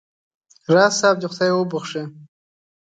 راز صاحب دې خدای وبخښي.